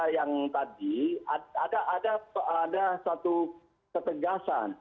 yang tadi ada satu ketegasan